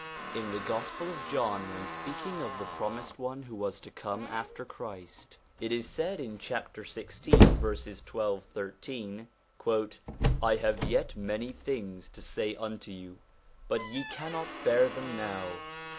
In the Gospel of John, in speaking of the Promised One who was to come after Christ, it is said hi chapter 16, verses 12, 13 : 'I have yet many things to say unto you, but ye cannot bear them now.